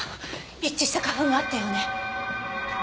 一致した花粉があったようね。